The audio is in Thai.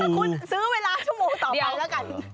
คุณซื้อเวลาชั่วโมงต่อไปแล้วกัน